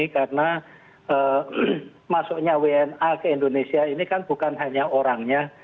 karena masuknya wna ke indonesia ini kan bukan hanya orangnya